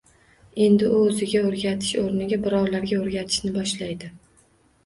Endi u oʻziga oʻrgatish oʻrniga birovlarga oʻrgatishni boshlaydi